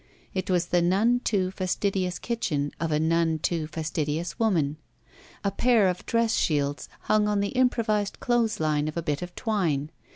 It was the none too fastidious kitchen of a none too fastidious woman. A pair of dress shields hung on the impro 248 ROULETTE vised clothesline of a bit of twine.